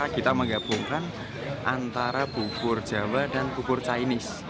kita menggabungkan antara bubur jawa dan bubur chinese